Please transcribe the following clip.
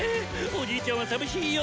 おじいちゃんは寂しいよ！